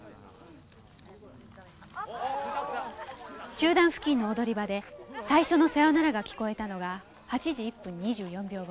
中段付近の踊り場で最初の「さよなら」が聞こえたのが８時１分２４秒頃。